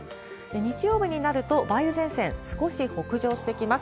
日曜日になると、梅雨前線、少し北上してきます。